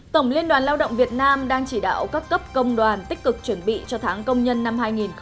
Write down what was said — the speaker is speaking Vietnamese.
tổng liên đoàn lao động việt nam đang chỉ đạo các cấp công đoàn tích cực chuẩn bị cho tháng công nhân năm hai nghìn hai mươi